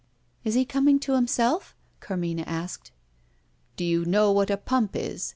"Is he coming to himself?" Carmina asked. "Do you know what a pump is?"